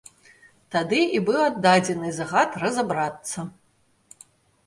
Тады і быў аддадзены загад разабрацца.